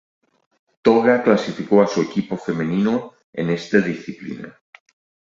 Toga clasificó a su equipo femenino en esta disciplina.